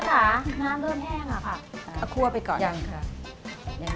แม่ตาน้ำเริ่มแห้งอ่ะค่ะอ่ะคั่วไปก่อนยังค่ะยังยัง